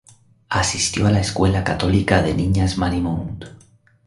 Asistió a la escuela católica de niñas Marymount.